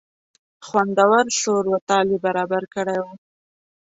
خوندور سور و تال یې ور برابر کړی و.